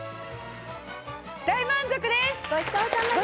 大満足です！